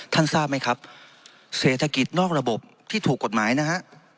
ทราบไหมครับเศรษฐกิจนอกระบบที่ถูกกฎหมายนะฮะ